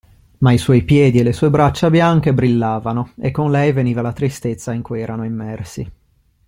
Ma i suoi piedi e le sue braccia bianche brillavano, e con lei veniva la tristezza in cui erano immersi.